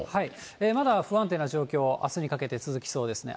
まだ不安定な状況、あすにかけて続きそうですね。